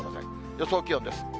予想気温です。